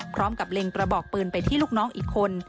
พร้อมกับเร่งกระบอกปืนไปที่ลูกน้องอีกคน